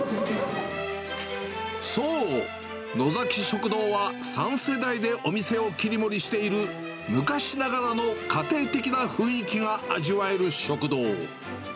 そう、のざき食堂は３世代でお店を切り盛りしている、昔ながらの家庭的な雰囲気が味わえる食堂。